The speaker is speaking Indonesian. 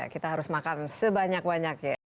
kita harus makan sebanyak banyak ya